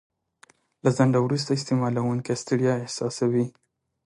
له ځنډه وروسته استعمالوونکی ستړیا احساسوي.